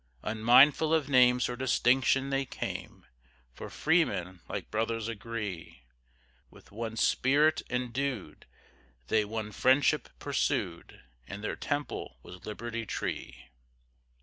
Unmindful of names or distinction they came, For freemen like brothers agree; With one spirit endued, they one friendship pursued, And their temple was Liberty Tree.